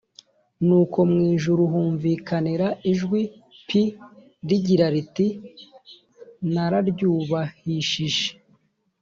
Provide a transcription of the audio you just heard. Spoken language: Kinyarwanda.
nuko mu ijuru humvikanira ijwi p rigira riti nararyubahishije